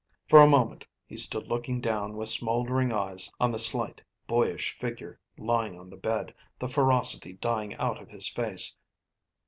For a moment he stood looking down with smouldering eyes on the slight, boyish figure lying on the bed, the ferocity dying out of his face.